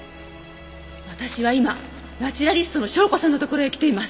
私は今ナチュラリストの紹子さんの所へ来ています。